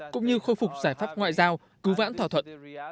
cũng như khôi phục giải pháp ngoại giao cứu vãn thỏa thuận